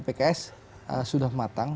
pks sudah matang